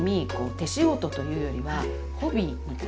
手仕事というよりはホビーみたいな。